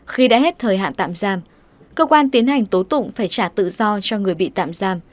khi đã hết thời hạn tạm giam cơ quan tiến hành tố tụng phải trả tự do cho người bị tạm giam